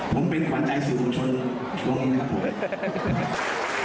ผมเป็นหวานตายสื่อวงชนตัววันนี้นะครับพวก